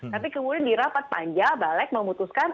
tapi kemudian di rapat panja balek memutuskan